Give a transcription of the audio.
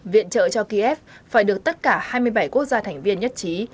viện trợ cho kiev phải được tất cả hai mươi bảy quốc gia thành viên nhất trí